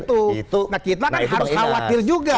nah kita kan harus khawatir juga